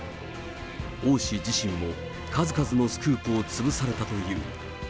王氏自身も、数々のスクープを潰されたという。